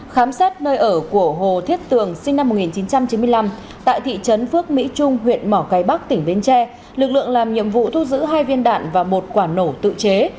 khám xét nơi ở của hồ thiết tường sinh năm một nghìn chín trăm chín mươi năm tại thị trấn phước mỹ trung huyện mỏ cây bắc tỉnh bến tre lực lượng làm nhiệm vụ thu giữ hai viên đạn và một quả nổ tự chế